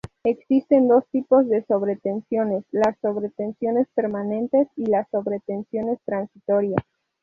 Existen dos tipos de sobretensiones: las sobretensiones permanentes y las sobretensiones transitorias.